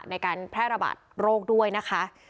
ในการแพร่ระบาดโรคด้วยนะคะ